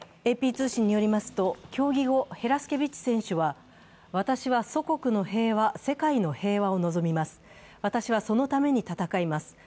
ＡＰ通信によりますと、競技後ヘラスケビッチ選手は私は祖国の平和、世界の平和を望みます、私はそのために戦います